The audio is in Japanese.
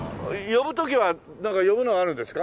呼ぶ時はなんか呼ぶのあるんですか？